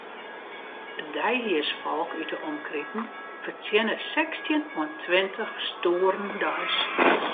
It deihiersfolk út 'e omkriten fertsjinne sechstjin oant tweintich stoeren deis.